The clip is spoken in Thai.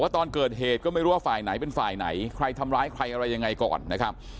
ตอนเกิดเหตุก็ไม่รู้ว่าฝ่ายไหนเป็นฝ่ายไหนใครทำร้ายใครอะไรยังไงก่อนนะครับ